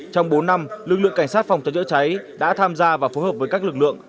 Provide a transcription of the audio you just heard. trong bốn năm lực lượng cảnh sát phòng cháy chữa cháy đã tham gia và phối hợp với các lực lượng